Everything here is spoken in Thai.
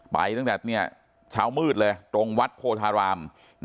ไปตั้งแต่เช้ามืดเลยตรงวัดโพธาราม